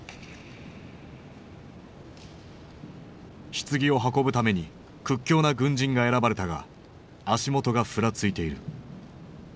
ひつぎを運ぶために屈強な軍人が選ばれたが足元がふらついている。